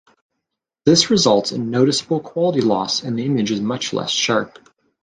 This results in noticeable quality loss and the image is much less sharp.